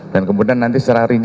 dan kemudian nanti secara rinci